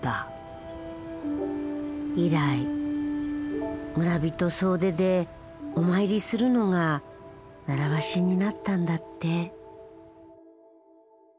以来村人総出でお参りするのが習わしになったんだって。